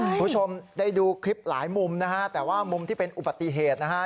คุณผู้ชมได้ดูคลิปหลายมุมนะฮะแต่ว่ามุมที่เป็นอุบัติเหตุนะฮะ